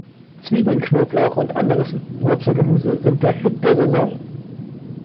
Zwiebeln, Knoblauch und anderes Wurzelgemüse sind der Hit der Saison.